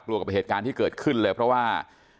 กับเหตุการณ์ที่เกิดขึ้นเลยเพราะว่า